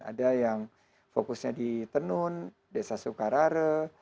ada yang fokusnya di tenun desa sukarare